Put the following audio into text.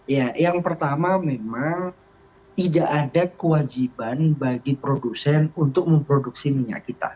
ya yang pertama memang tidak ada kewajiban bagi produsen untuk memproduksi minyak kita